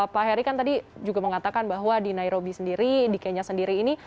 pak heri kan tadi juga mengatakan bahwa di nairobi sendiri di kenya sendiri ini